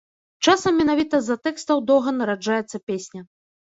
Часам менавіта з-за тэкстаў доўга нараджаецца песня.